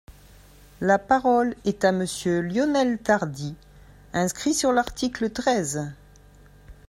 La parole est à Monsieur Lionel Tardy, inscrit sur l’article treize.